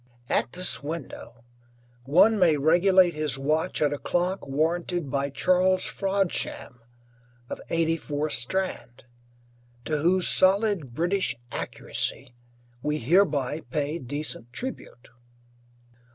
At this window one may regulate his watch at a clock warranted by Charles Frodsham of 84, Strand, to whose solid British accuracy we hereby pay decent tribute.